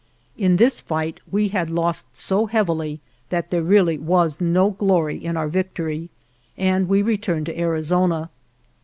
In this fight we had lost so heavily that there really was no glory in our victory, and we returned to Arizona.